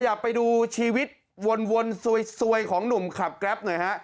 อยากไปดูชีวิตวนซวยของหนุ่มขับแกรปหน่อยฮะ